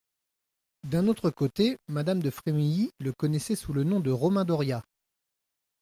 D'un autre côté, madame de Frémilly le connaissait sous le nom de Romain Doria.